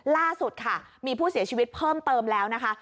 ล่าสุดค่ะมีผู้เสียชีวิตเพิ่มเติมแล้วนะคะ